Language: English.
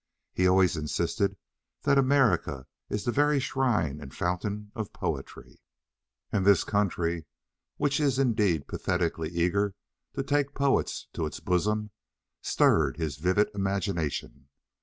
He always insisted that America is the very shrine and fountain of poetry, and this country (which is indeed pathetically eager to take poets to its bosom) stirred his vivid imagination.